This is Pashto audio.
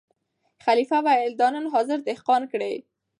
خلیفه ویل دا نن حاضر دهقان کړی